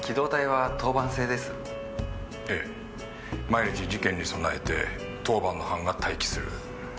毎日事件に備えて当番の班が待機する。